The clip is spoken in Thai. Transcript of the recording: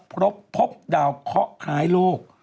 เพราะพบดาวเคาะหายโลก